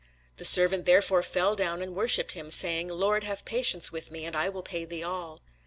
The servant therefore fell down, and worshipped him, saying, Lord, have patience with me, and I will pay thee all.